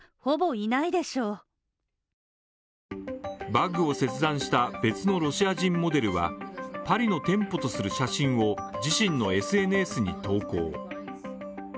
バッグを切断した別のロシア人モデルはパリの店舗とする写真を自身のＳＮＳに投稿。